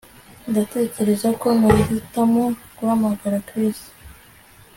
Ndatekereza ko nahitamo guhamagara Chris